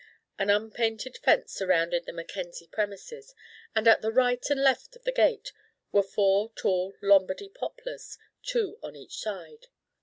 An unpainted fence surrounded the Mackenzie premises, and at the right and left of the gate were four tall Lombardy poplars, two on each side.